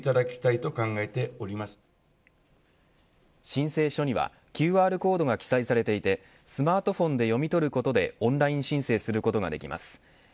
申請書にはＱＲコードが記載されていてスマートフォンで読み取ることでオンライン申請することができます。